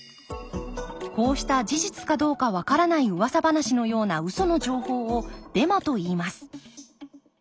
こうした事実かどうかわからないうわさ話のようなウソの情報をデマといいます。